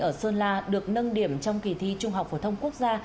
ở sơn la được nâng điểm trong kỳ thi trung học phổ thông quốc gia